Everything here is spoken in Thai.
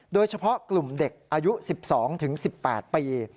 โดยเฉพาะกลุ่มเด็กอายุ๑๒๑๘ปี